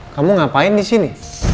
kamu ngapain disini